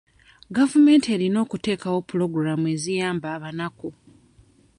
Gavumenti erina okuteekawo pulogulaamu eziyamba abanaku.